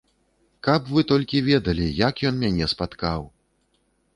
Каб вы толькі ведалі, як ён мяне спаткаў!